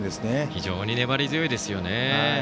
非常に粘り強いですよね。